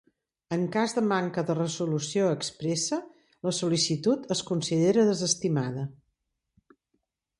En cas de manca de resolució expressa la sol·licitud es considera desestimada.